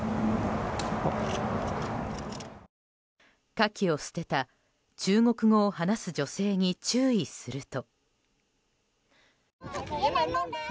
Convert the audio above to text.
カキを捨てた中国語を話す女性に注意すると。